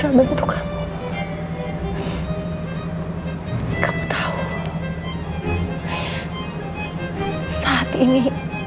ibu juga speaker nol disini